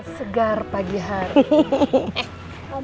segar pagi hari